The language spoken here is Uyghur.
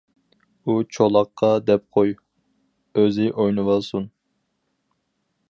ئۇ چولاققا دەپ قوي ئۆزى ئوينىۋالسۇن.